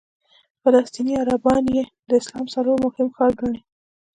فلسطیني عربان یې د اسلام څلورم مهم ښار ګڼي.